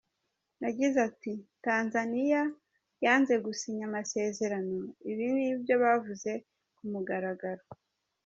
Yagize ati “Tanzania yanze gusinya amasezerano, ibi ni ibyo bavuze ku mugaragaro.